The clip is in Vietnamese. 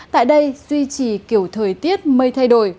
tại đây duy trì kiểu thời tiết mây thay đổi